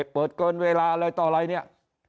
เปิดเกินเวลาอะไรต่ออะไรเนี่ย